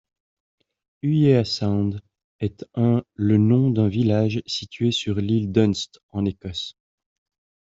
Uyea Sound est un le nom d'un village situé sur l'île d'Unst en Écosse.